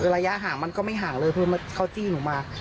ระยะห่างมันก็ไม่ห่างเลยคือเขาจี้หนูมา